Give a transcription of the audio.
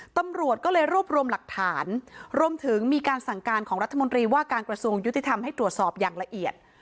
ตำรวจก็เลยรวบรวมหลักฐานรวมถึงมีการสั่งการของรัฐมนตรีว่าการกระทรวงยุติธรรมให้ตรวจสอบอย่างละเอียด